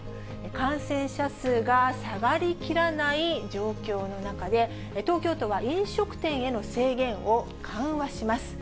感染者数が下がりきらない状況の中で、東京都は飲食店への制限を緩和します。